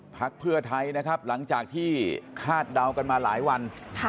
พักเพื่อไทยนะครับหลังจากที่คาดเดากันมาหลายวัน